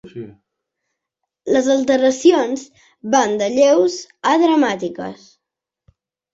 Les alteracions van de lleus a dramàtiques.